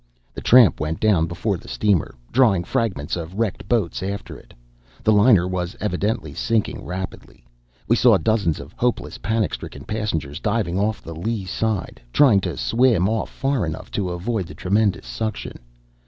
The tramp went down before the steamer, drawing fragments of wrecked boats after it. The liner was evidently sinking rapidly. We saw dozens of hopeless, panic stricken passengers diving off the lee side, trying to swim off far enough to avoid the tremendous suction.